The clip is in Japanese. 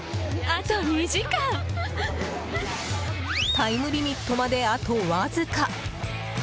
タイムリミットまであとわずか！